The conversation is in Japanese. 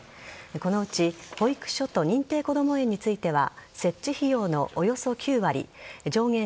このうち保育所と認定こども園については設置費用のおよそ９割上限